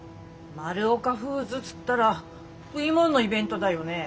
マルオカフーズっつったら食いもんのイベントだよね。